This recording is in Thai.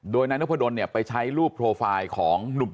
โดยนายนพดลไปใช้รูปโปรไฟล์ของหนุ่ม